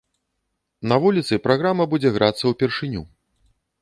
На вуліцы праграма будзе грацца ўпершыню.